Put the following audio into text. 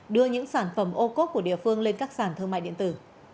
đưa những sản phẩm ô cốt của địa phương lên các sản thương mại điện tử